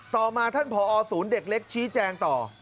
ต่อมาท่านผอศูนย์เด็กเล็กชี้แจงต่อ